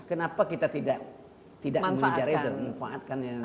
kenapa kita tidak memanfaatkan